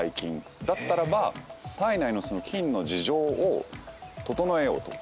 だったらば体内の菌の事情を整えようと。